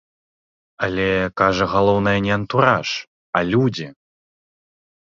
Але, кажа, галоўнае не антураж, а людзі.